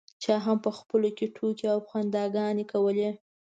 چا هم په خپلو کې ټوکې او خنداګانې کولې.